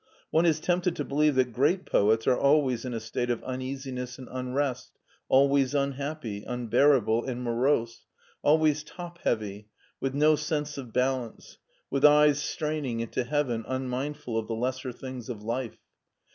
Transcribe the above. One is tempted to believe that great poets are always in a state of uneasiness and unrest, always unhappy, un bearable, and morose, always top heavy, with no sense of balance, with eyes straining into heaven unmindful of the lesser things of life.